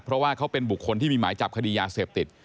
เพราะว่าเขาเป็นบุคคลที่มีหมายจับคดียาเสพติด